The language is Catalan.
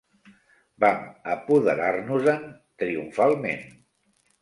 Vam apoderar-nos-en triomfalment